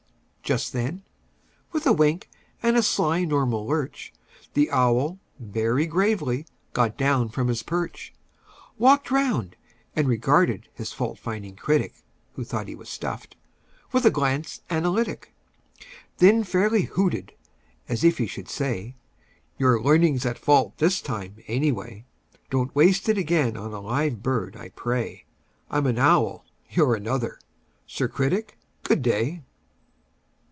Just then, with a wink and a sly normal lurch, The owl, very gravely, got down from his perch, Walked round, and regarded his fault finding critic (Who thought he was stuffed) with a glance analytic, And then fairly hooted, as if he should say: "Your learning's at fault this time, any way; Don't waste it again on a live bird, I pray. I'm an owl; you're another. Sir Critic, good day!"